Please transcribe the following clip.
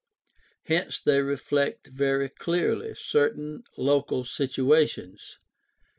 Hence they reflect very clearly certain local situations.